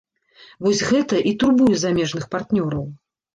Вось гэта і турбуе замежных партнёраў.